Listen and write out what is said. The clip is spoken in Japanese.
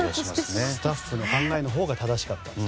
スタッフの考えのほうが正しかったと。